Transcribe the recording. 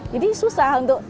jadi susah untuk